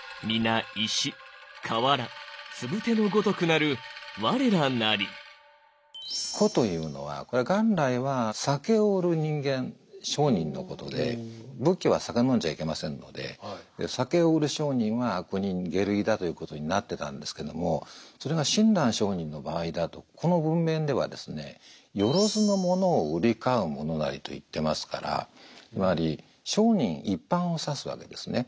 更に親鸞はね沽というのは元来は酒を売る人間商人のことで仏教は酒飲んじゃいけませんので酒を売る商人は悪人・下類だということになってたんですけどもそれが親鸞上人の場合だとこの文面ではですね「よろづのものをうりかうものなり」と言ってますからつまり商人一般を指すわけですね。